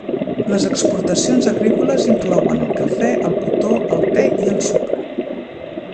Les exportacions agrícoles inclouen el cafè, el cotó, el te i el sucre.